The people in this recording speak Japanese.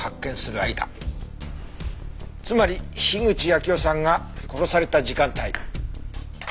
つまり口秋生さんが殺された時間帯。